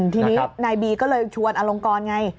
ทีนี้นายบีก็เลยชวนอลงกรไง